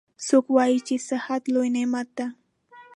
څوک وایي چې صحت لوی نعمت ده